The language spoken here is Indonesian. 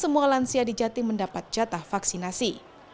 semua lansia di jatim mendapat jatah vaksinasi